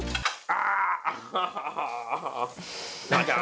あ。